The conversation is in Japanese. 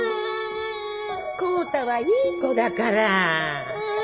康太はいい子だから。